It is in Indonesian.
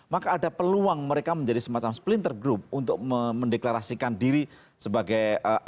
maka ada peluang mereka menjadi semacam splinter group untuk mendeklarasikan diri sebagai